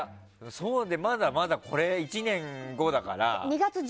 まだまだ、これ１年後だから。